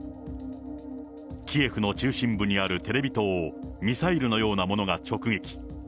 キエフの中心部にあるテレビ塔を、ミサイルのようなものが直撃。